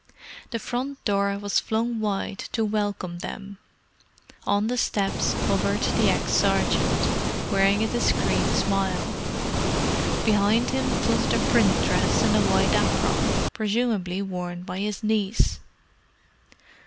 The front door was flung wide to welcome them: on the steps hovered the ex sergeant, wearing a discreet smile. Behind him fluttered a print dress and a white apron, presumably worn by his niece.